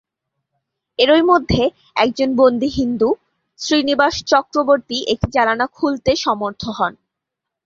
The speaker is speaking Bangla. এরই মধ্যে, একজন বন্দী হিন্দু, শ্রীনিবাস চক্রবর্তী একটি জানালা খুলতে সমর্থ হন।